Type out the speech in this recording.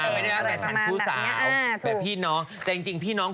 ไม่ได้ฝนคู่สาวแบบพี่น้อง